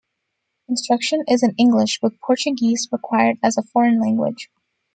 Instruction is in English with Portuguese required as a foreign language.